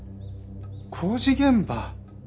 工事現場。